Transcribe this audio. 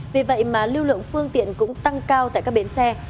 vì vậy mà lưu lượng phương tiện cũng tăng cao tại các bến xe